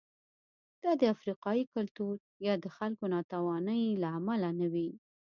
دا د افریقايي کلتور یا د خلکو ناتوانۍ له امله نه وې.